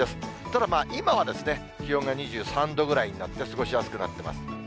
ただ、今は気温が２３度ぐらいになって、過ごしやすくなっています。